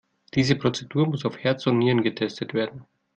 Diese Prozedur muss auf Herz und Nieren getestet werden.